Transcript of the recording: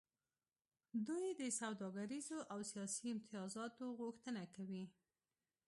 دوی د سوداګریزو او سیاسي امتیازاتو غوښتنه کوي